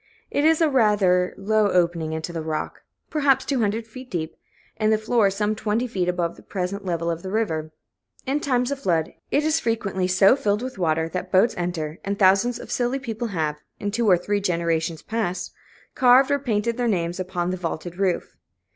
It is a rather low opening into the rock, perhaps two hundred feet deep, and the floor some twenty feet above the present level of the river; in times of flood, it is frequently so filled with water that boats enter, and thousands of silly people have, in two or three generations past, carved or painted their names upon the vaulted roof.